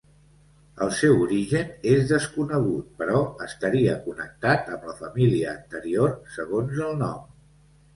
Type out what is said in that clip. El seu origen és desconegut però estaria connectat amb la família anterior segons el nom.